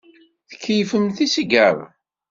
Tkeyyfemt isigaṛen.